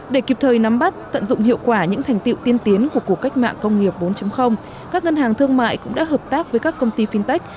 để kịp thời nắm bắt tận dụng hiệu quả những thành tiệu tiên tiến của cuộc cách mạng công nghiệp bốn các ngân hàng thương mại cũng đã hợp tác với các công ty fintech